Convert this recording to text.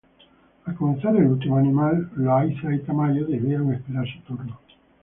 Al comenzar el último animal, Loaiza y Tamayo debieron esperar su turno.